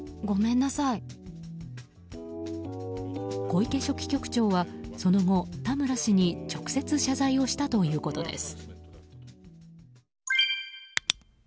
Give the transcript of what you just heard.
小池書記局長はその後、田村氏に直接謝罪をしたということです。